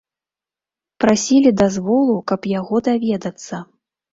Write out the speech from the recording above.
Прасілі дазволу, каб яго даведацца.